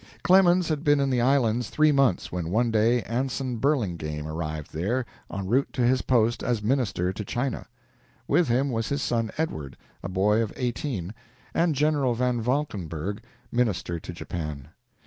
Clemens had been in the islands three months when one day Anson Burlingame arrived there, en route to his post as minister to China. With him was his son Edward, a boy of eighteen, and General Van Valkenburg, minister to Japan.